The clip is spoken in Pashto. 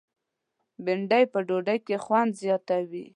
بېنډۍ په ډوډۍ کې خوند زیاتوي